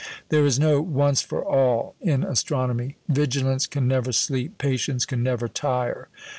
There is no "once for all" in astronomy. Vigilance can never sleep; patience can never tire.